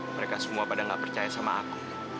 mereka semua pada nggak percaya sama aku